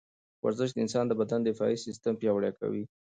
ورزش د انسان د بدن دفاعي سیستم پیاوړی کوي.